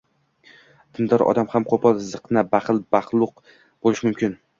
Dindor odam ham qo‘pol, ziqna, baxil, badxulq bo‘lishi mumkin.